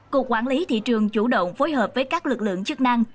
cục quản lý thị trường chủ động phối hợp với các lực lượng chức năng